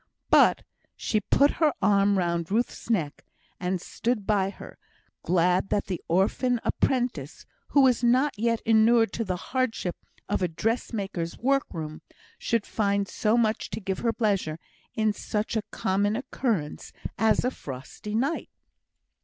But she put her arm round Ruth's neck, and stood by her, glad that the orphan apprentice, who was not yet inured to the hardship of a dressmaker's workroom, should find so much to give her pleasure in such a common occurrence as a frosty night.